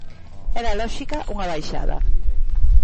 Era lóxica unha baixada.